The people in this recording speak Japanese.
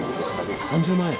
３０万円？